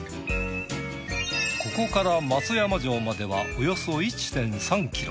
ここから松山城まではおよそ１．３ｋｍ。